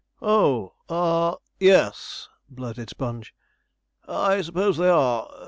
'Oh ah yes,' blurted Sponge: 'I suppose they are.